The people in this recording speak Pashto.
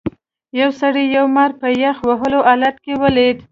یو سړي یو مار په یخ وهلي حالت کې ولید.